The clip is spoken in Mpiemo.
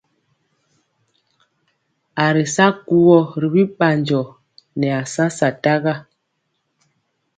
A ri sa kuwɔ ri bi ɓanjɔ nɛ a sa sataga.